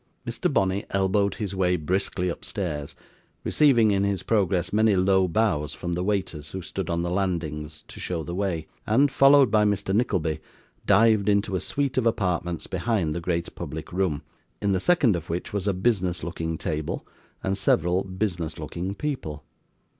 Mr. Bonney elbowed his way briskly upstairs, receiving in his progress many low bows from the waiters who stood on the landings to show the way; and, followed by Mr. Nickleby, dived into a suite of apartments behind the great public room: in the second of which was a business looking table, and several business looking people.